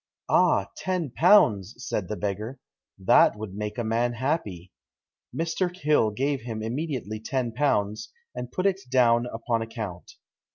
'Ah! ten pounds,' said the beggar; 'that would make a man happy.' Mr. Hill gave him immediately ten pounds, and putt it downe upon account.